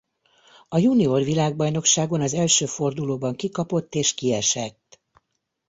A junior világbajnokságon az első fordulóban kikapott és kiesett.